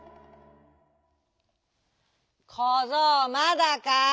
「こぞうまだか？」。